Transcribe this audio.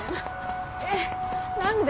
えっ何で！？